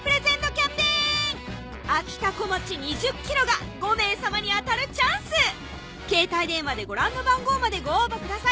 キャンペーンあきたこまち２０ｋｇが５名様に当たるチャンス携帯電話でご覧の番号までご応募ください